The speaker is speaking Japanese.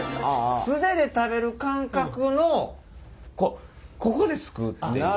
素手で食べる感覚のこうここですくうっていう。